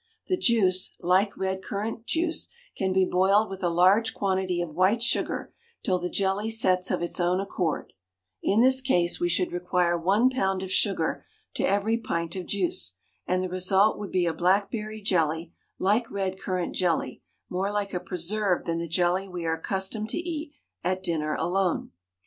The juice, like red currant juice, can be boiled with a large quantity of white sugar till the jelly sets of its own accord; in this case we should require one pound of sugar to every pint of juice, and the result would be a blackberry jelly like red currant jelly, more like a preserve than the jelly we are accustomed to eat at dinner alone.